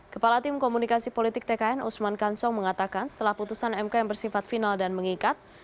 kepala tim komunikasi politik tkn usman kansong mengatakan setelah putusan mk yang bersifat final dan mengikat